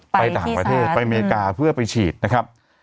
ไปต่างประเทศไปอเมริกาเพื่อไปฉีดนะครับ